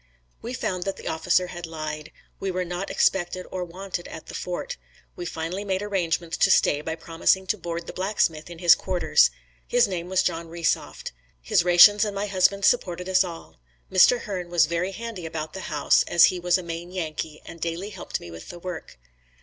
We found that the officer had lied. We were not expected or wanted at the fort. We finally made arrangements to stay by promising to board the blacksmith in his quarters. His name was John Resoft. His rations and my husband's supported us all. Mr. Hern was very handy about the house, as he was a Maine Yankee and daily helped me with the work.